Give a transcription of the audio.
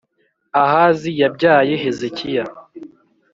Ahazi yabyaye Hezekiya,